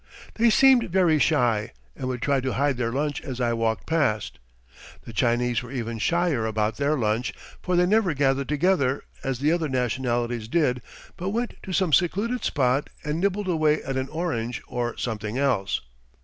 They seemed very shy, and would try to hide their lunch as I walked past. The Chinese were even shyer about their lunch, for they never gathered together, as the other nationalities did, but went to some secluded spot and nibbled away at an orange or something else.